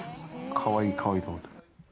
かわいい、かわいいと思った。